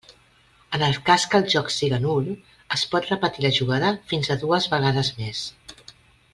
En el cas que el joc siga nul, es pot repetir la jugada fins a dues vegades més.